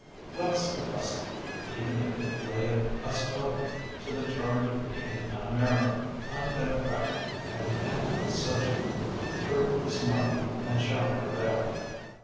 Let us confess it, even if it lay us open to the charge of being un American, undemocratic, and anti social. Truth is mighty and shall pre vail.